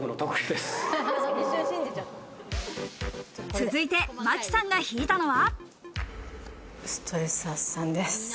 続いて真木さんが引いたのは。